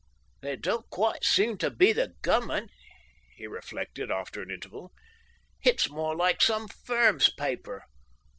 "They don't quite seem to be the gov'ment," he reflected, after an interval. "It's more like some firm's paper.